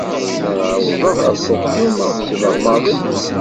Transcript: Melmi ara awḍeɣ ɣer Tokyo ma ɣeṣbeɣ maḍi?